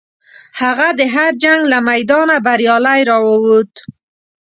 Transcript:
هغه د هر جنګ له میدانه بریالی راووت.